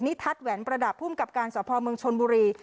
ทัศน์แหวนประดับภูมิกับการสภเมืองชนบุรี